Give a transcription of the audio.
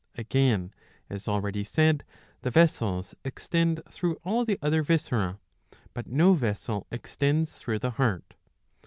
Again, as already said, the vessels extend through all the other viscera, but no vessel extends through the heart.